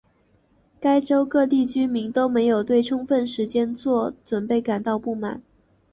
该州各地居民都对没有充分时间做准备感到不满。